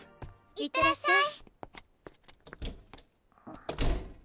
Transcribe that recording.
いってらっしゃい。